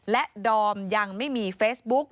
และดอมยังไม่มีเฟซบุ๊ก